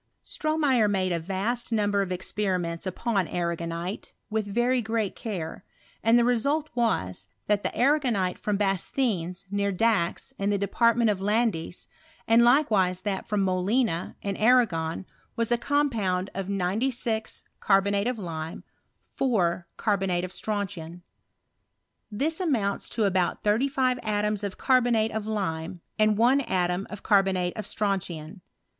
Stromeyer made a vast number of' esperiments upon arragonite, with very great care, and the result was, that the arragonite from Bastenei^ ' near Dax, in the department of Landes, and Itkeviw that from Molina, in Arragon, was a compound of PROGaiXS OF ANALYTICAL CHEMISTRY. 319 96 carbonate of lime 4 carbonate of strontian. This amounts to about thirty five atoms of carbonate <}f lime, and one atom of carbonate of strontian.